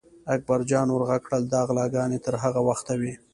اکبر جان ور غږ کړل: دا غلاګانې تر هغه وخته وي.